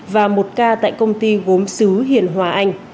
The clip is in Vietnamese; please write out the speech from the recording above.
và một ca tại công ty gốm xứ hiền hòa anh